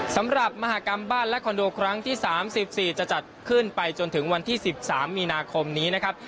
มหากรรมบ้านและคอนโดครั้งที่๓๔จะจัดขึ้นไปจนถึงวันที่๑๓มีนาคมนี้นะครับ